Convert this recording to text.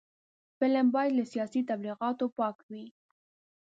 فلم باید له سیاسي تبلیغاتو پاک وي